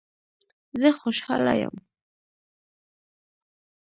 زه خوشحاله یم